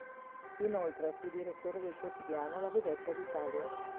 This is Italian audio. Inoltre fu direttore del quotidiano "La Vedetta d'Italia".